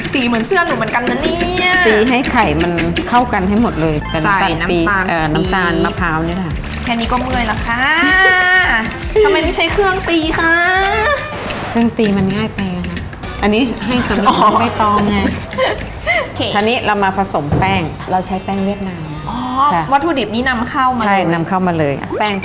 สีเหมือนเสื้อหนุ่มเหมือนกันน่ะเนี้ยตีให้ไข่มันเข้ากันให้หมดเลยใส่น้ำตาลน้ำตาลมะพร้าวนี่แหละ